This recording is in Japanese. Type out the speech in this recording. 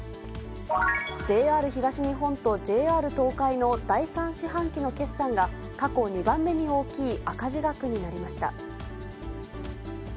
ＪＲ東日本とＪＲ東海の第３四半期の決算が、過去２番目に大きい赤字額になりました。